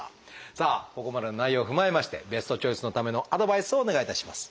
さあここまでの内容を踏まえましてベストチョイスのためのアドバイスをお願いいたします。